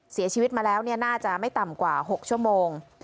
เสียชีวิตมาแล้วน่าจะไม่ต่ำกว่า๖ชั่วโมง